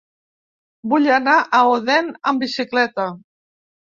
Vull anar a Odèn amb bicicleta.